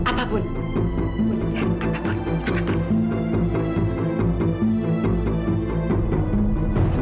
bener apapun itu apa